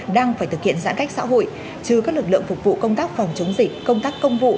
đang phải thực hiện giãn cách xã hội chứ các lực lượng phục vụ công tác phòng chống dịch công tác công vụ